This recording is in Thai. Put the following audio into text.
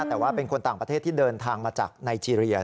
แต่ว่าเป็นคนต่างประเทศที่เดินทางมาจากไนเจรีย